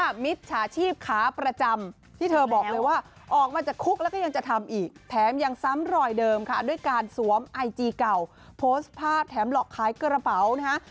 ไอจีเก่าโพสต์ภาพแถมหลอกคล้ายกระเป๋านะคะ